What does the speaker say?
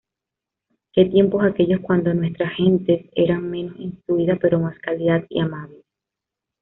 Que tiempos aquellos cuando nuestras gentes eran menos instruidas pero más cálidas y amables.